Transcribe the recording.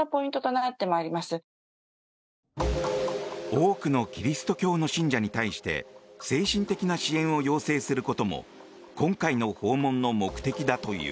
多くのキリスト教の信者に対して精神的な支援を要請することも今回の訪問の目的だという。